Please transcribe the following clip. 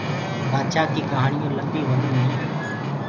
بآدڇآنٚ ڪيٚ ڪهآڻيونٚ لَميِ هونديونٚ هينٚ۔